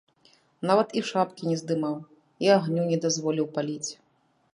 Нават і шапкі не здымаў і агню не дазволіў паліць.